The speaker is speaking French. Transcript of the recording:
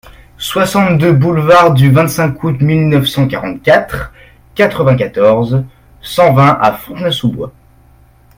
soixante-deux boulevard du vingt-cinq Août mille neuf cent quarante-quatre, quatre-vingt-quatorze, cent vingt à Fontenay-sous-Bois